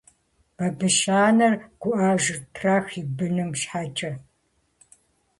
Бабыщ анэр гуӀэжырт трах и быным щхьэкӀэ.